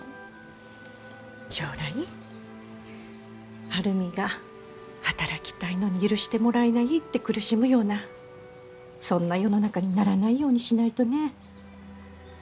将来晴海が働きたいのに許してもらえないって苦しむようなそんな世の中にならないようにしないとね。